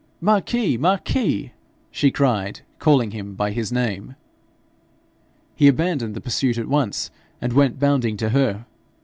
'Marquis! Marquis!' she cried, calling him by his name. He abandoned the pursuit at once, and went bounding to her.